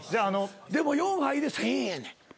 でも４杯で１，０００円やねん。